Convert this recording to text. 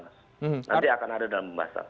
nanti akan ada dalam pembahasan